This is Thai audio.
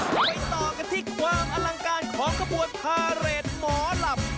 ไปต่อกันที่ความอลังการของขบวนพาเรทหมอลำ